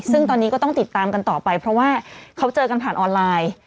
ซึ่งตอนนี้ก็ต้องติดตามกันต่อไปเพราะว่าเขาเจอกันผ่านออนไลน์